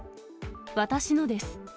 私のです。